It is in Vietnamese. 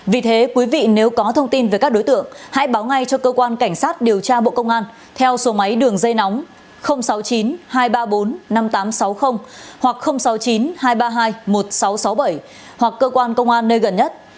vì thế quý vị nếu có thông tin về các đối tượng hãy báo ngay cho cơ quan cảnh sát điều tra bộ công an theo số máy đường dây nóng sáu mươi chín hai trăm ba mươi bốn năm nghìn tám trăm sáu mươi hoặc sáu mươi chín hai trăm ba mươi hai một nghìn sáu trăm sáu mươi bảy hoặc cơ quan công an nơi gần nhất